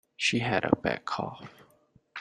She had a bad cough.